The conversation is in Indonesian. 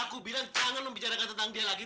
aku bilang jangan membicarakan tentang dia lagi